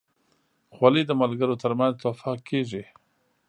خولۍ د ملګرو ترمنځ تحفه کېږي.